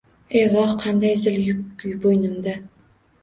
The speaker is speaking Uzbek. Evoh, qanday zil yuk bo’ynimda